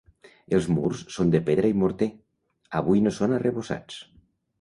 Els murs són de pedra i morter, avui no són arrebossats.